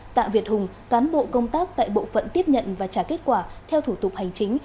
tạ việt hùng cán bộ công tác tại bộ phận tiếp nhận và trả kết quả theo thủ tục hành chính